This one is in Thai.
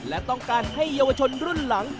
และต้องการให้เยาวชนรุ่นหลัง